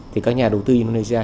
thì các nhà đầu tư indonesia